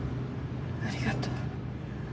ありがとう。